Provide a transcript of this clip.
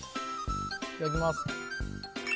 いただきます。